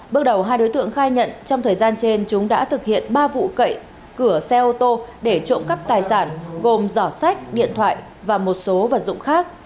bước đầu hai đối tượng khai nhận trong thời gian trên chúng đã thực hiện ba vụ cậy cửa xe ô tô để trộm cắp tài sản gồm giỏ sách điện thoại và một số vật dụng khác